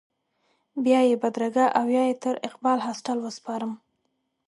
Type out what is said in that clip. بیا یې بدرګه او یا یې تر اقبال هاسټل وسپارم.